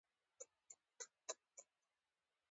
خولۍ د دیني احترام نښه ده.